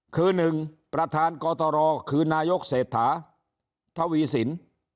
คือหนึ่งประธานกตรคือนายกเศรษฐาทวีสิน